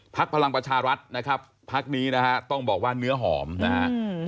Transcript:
พลังประชารัฐนะครับพักนี้นะฮะต้องบอกว่าเนื้อหอมนะฮะ